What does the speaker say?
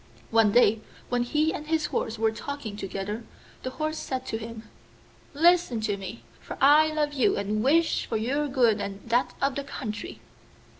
One day, when he and his horse were talking together, the Horse said to him, 'Listen to me, for I love you and wish for your good and that of the country.